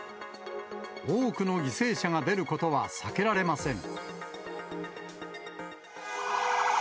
多くの犠牲者が出ることは避けられません。